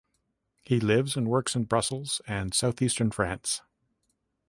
He lives and works in Brussels and Southeastern France.